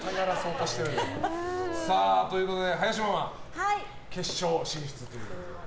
ということで、林ママ決勝進出です。